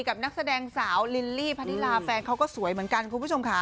นักแสดงสาวลิลลี่พะนิลาแฟนเขาก็สวยเหมือนกันคุณผู้ชมค่ะ